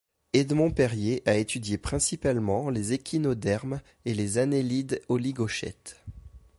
Edmond Perrier a étudié principalement les échinodermes et les annélides oligochètes.